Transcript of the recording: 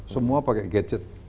semua pakai gadget